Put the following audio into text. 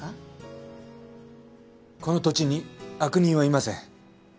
この土地に悪人はいません。